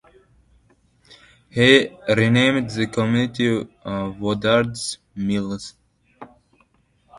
He renamed the community Woodard's Mills.